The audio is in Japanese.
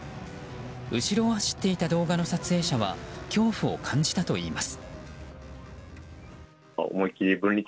後ろを走っていた動画の撮影者は恐怖を感じたといいます。